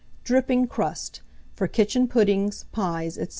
DRIPPING CRUST, for Kitchen Puddings, Pies, &c.